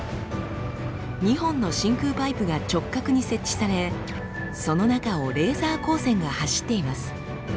２本の真空パイプが直角に設置されその中をレーザー光線が走っています。